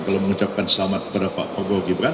kalau mengucapkan selamat kepada pak prabowo gibran